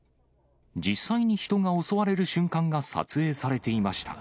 実際に人が襲われる瞬間が撮影されていました。